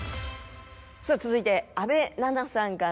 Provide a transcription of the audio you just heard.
さぁ続いて阿部ななさんから。